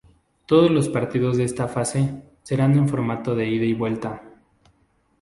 Todos los partidos de esta fase serán en formato de Ida y Vuelta.